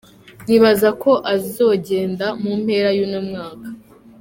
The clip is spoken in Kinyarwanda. Nibaza ko azogenda mu mpera y'uno mwaka.